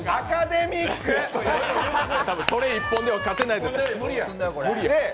それ一本では勝てないです。